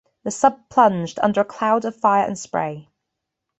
The sub plunged, under a cloud of fire and spray.